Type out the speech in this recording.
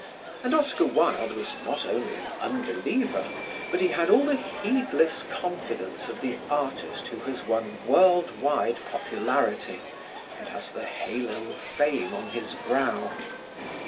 And Oscar Wilde was not only an unbeliever; but he had all the heedless confidence of the artist who has won world wide popularity and has the halo of fame on his brow.